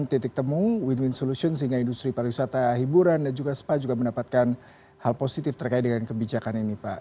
semoga berhasil di temuk win win solutions sehingga industri pariwisata hiburan dan juga spa juga mendapatkan hal positif terkait dengan kebijakan ini pak